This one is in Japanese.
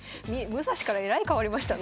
武蔵からえらい変わりましたね。